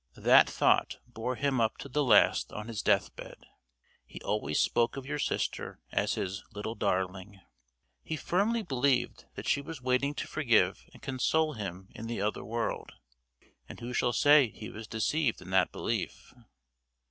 That thought bore him up to the last on his death bed. He always spoke of your sister as his 'little darling.' He firmly believed that she was waiting to forgive and console him in the other world and who shall say he was deceived in that belief?"